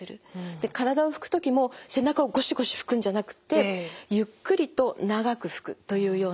で体を拭くときも背中をゴシゴシ拭くんじゃなくってゆっくりと長く拭くというような感じですね。